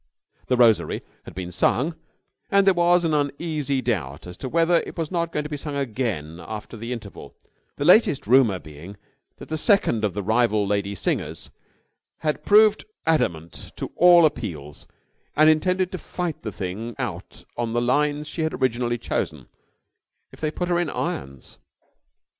'The Rosary' had been sung and there was an uneasy doubt as to whether it was not going to be sung again after the interval the latest rumour being that the second of the rival lady singers had proved adamant to all appeals and intended to fight the thing out on the lines she had originally chosen if they put her in irons.